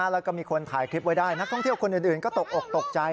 แล้วก็มีคนถ่ายคลิปไว้ได้นักท่องเที่ยวคนอื่นก็ตกอกตกใจ